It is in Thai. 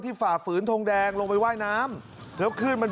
ฝ่าฝืนทงแดงลงไปว่ายน้ำแล้วขึ้นมัน